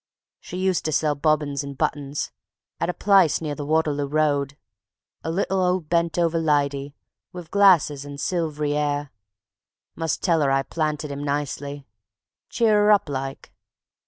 She used to sell bobbins and buttons 'ad a plice near the Waterloo Road; A little, old, bent over lydy, wiv glasses an' silvery 'air; Must tell 'er I planted 'im nicely, cheer 'er up like.